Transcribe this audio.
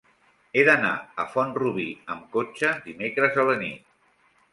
He d'anar a Font-rubí amb cotxe dimecres a la nit.